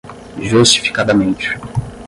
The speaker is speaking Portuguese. justificadamente